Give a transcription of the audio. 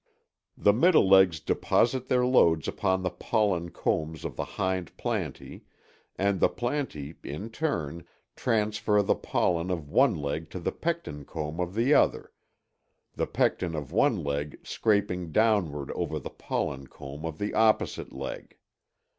The middle legs deposit their loads upon the pollen combs of the hind plantæ, and the plantæ, in turn, transfer the pollen of one leg to the pecten comb of the other, the pecten of one leg scraping downward over the pollen comb of the opposite leg. (See fig.